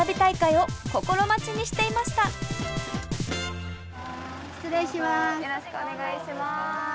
よろしくお願いします。